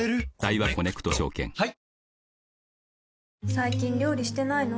最近料理してないの？